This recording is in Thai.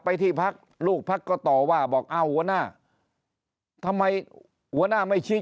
ไปที่พักลูกพักก็ต่อว่าบอกอ้าวหัวหน้าทำไมหัวหน้าไม่ชิค